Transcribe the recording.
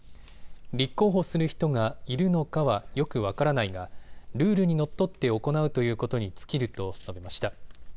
立候補する人がいるのかは、よく分からないがルールにのっとって行うということに尽きると述べました。